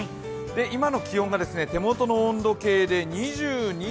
今の気温が、手元の温度計で２２．２度。